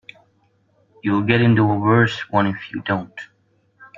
You'll get into a worse one if you don't.